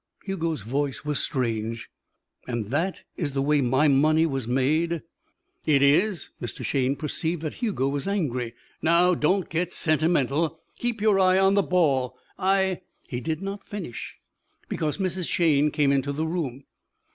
Hugo's voice was strange. "And that is the way my money was made?" "It is." Mr. Shayne perceived that Hugo was angry. "Now, don't get sentimental. Keep your eye on the ball. I " He did not finish, because Mrs. Shayne came into the room.